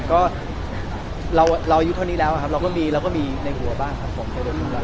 ก็เรายุทธ์เท่านี้แล้วครับเราก็มีในหัวบ้างครับผม